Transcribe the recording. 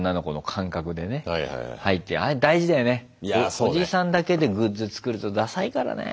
おじさんだけでグッズ作るとダサいからねぇ。